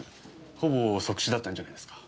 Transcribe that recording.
ほぼ即死だったんじゃないですか。